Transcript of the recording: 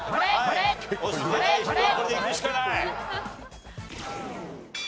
押してない人はこれでいくしかない。